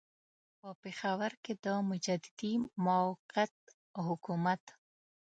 په پېښور کې د مجددي موقت حکومت.